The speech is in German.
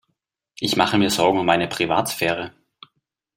Ich mache mir Sorgen um meine Privatsphäre.